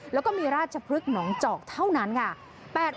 แล้วก็มีราชพฤกษ์หนองจอกเท่านั้นค่ะ